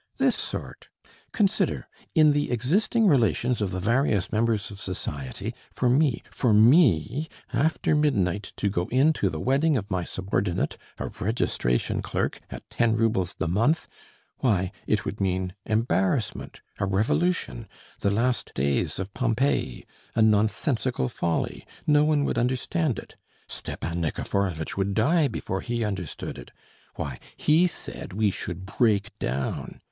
This sort. Consider: in the existing relations of the various members of society, for me, for me, after midnight to go in to the wedding of my subordinate, a registration clerk, at ten roubles the month why, it would mean embarrassment, a revolution, the last days of Pompeii, a nonsensical folly. No one would understand it. Stepan Nikiforovitch would die before he understood it. Why, he said we should break down.